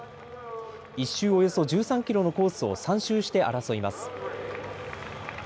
１周およそ１３キロのコースを３周して争います。